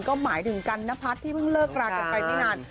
ก็หมายถึงกันนะพาร์ทที่เริ่มเลิกรักกันไปนี่นาน